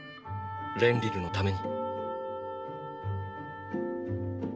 レンリルのために。